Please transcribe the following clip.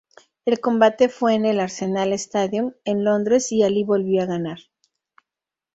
El combate fue en el "Arsenal Stadium" en Londres y Ali volvió a ganar.